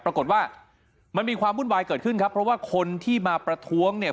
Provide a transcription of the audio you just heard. ปรากฏว่ามันมีความวุ่นวายเกิดขึ้นครับเพราะว่าคนที่มาประท้วงเนี่ย